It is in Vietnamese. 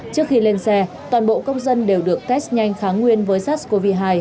trước khi lên xe toàn bộ công dân đều được test nhanh kháng nguyên với sars cov hai